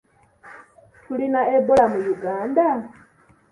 Tulina Ebola mu Uganda?